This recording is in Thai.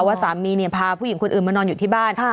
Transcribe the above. ว่าสามีเนี่ยพาผู้หญิงคนอื่นมานอนอยู่ที่บ้าน